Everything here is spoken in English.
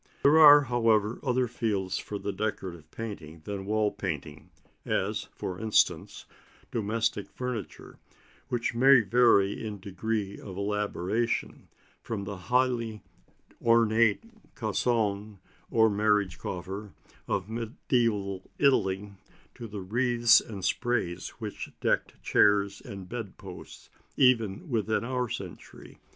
There are, however, other fields for the decorative painter than wall painting; as, for instance, domestic furniture, which may vary in degree of elaboration from the highly ornate cassone or marriage coffer of Mediæval Italy to the wreaths and sprays which decked chairs and bed posts even within our century.